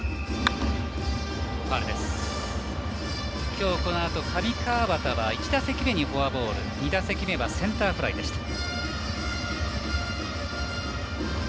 きょうこのあと上川畑は１打席目にフォアボール２打席はセンターフライでした。